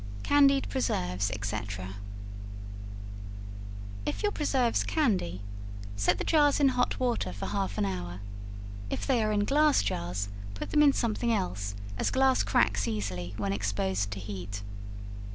Candied Preserves, &c. If your preserves candy, set the jars in hot water for half an hour; if they are in glass jars put them in something else, as glass cracks easily, when exposed to heat.